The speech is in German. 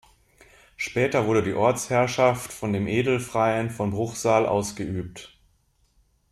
Später wurde die Ortsherrschaft von den Edelfreien von Bruchsal ausgeübt.